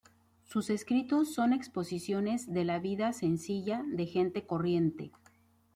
Sus escritos son exposiciones de la vida sencilla de gente corriente.